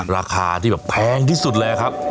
ราคาที่แบบแพงที่สุดเลยครับ